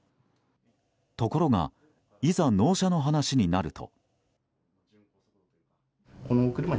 ところがいざ納車の話になると。